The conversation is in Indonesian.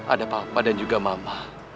ada papa dan juga mama